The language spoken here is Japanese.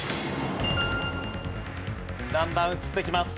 だんだん映ってきます。